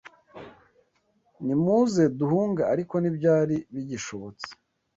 Nimuze duhunge Ariko ntibyari bigishobotse